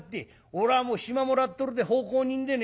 おらはもう暇もらっとるで奉公人でねえ。